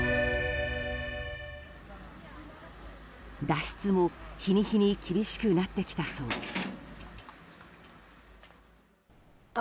脱出も日に日に厳しくなってきたそうです。